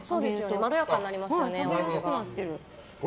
まろやかになりますよね。